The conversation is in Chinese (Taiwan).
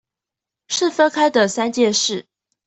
是分開的三件事